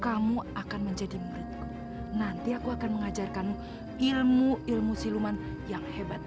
kamu akan menjadi muridku nanti aku akan mengajarkanmu ilmu ilmu siluman yang hebat